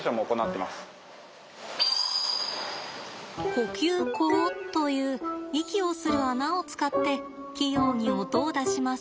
呼吸孔という息をする穴を使って器用に音を出します。